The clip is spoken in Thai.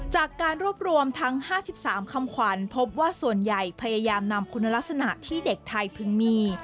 จากการรวบรวมทั้ง๕๓คำขวัญพบว่าส่วนใหญ่พยายามนำคุณลักษณะที่เด็กไทยพึงมี